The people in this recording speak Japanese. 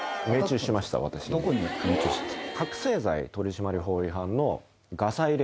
どこに命中したんですか？